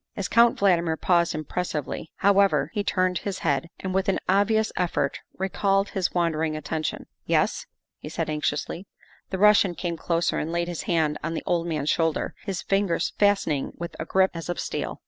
As Count Valdmir paused impressively, however, he turned his 168 THE WIFE OF head and with an obvious effort recalled his wandering attention. " Yes?" he said anxiously. The Russian came closer and laid his hand on the old man's shoulder, his fingers fastening with a grip as of steel.